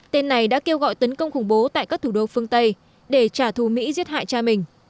tên này đã kêu gọi tấn công khủng bố tại các thủ đô phương tây để trả thù mỹ giết hại cha mình